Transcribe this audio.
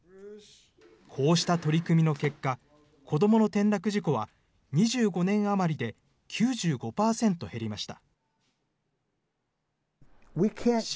こうした取り組みの結果、子どもの転落事故は、２５年余りで９５％減りました。